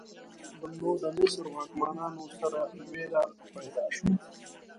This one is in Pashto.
نو د مصر واکمنانو سره ویره پیدا شوه.